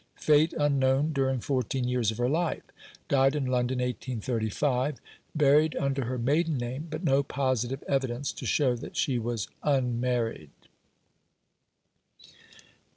Fate unknown during fourteen years of her life. Died in London, 1835. Buried under her maiden name; but no positive evidence to show that she was unmarried.